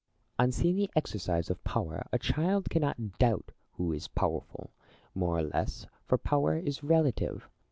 Plato. On seeing the exercise of power, a child cannot doubt who is powerful, more or less ; for power is relative.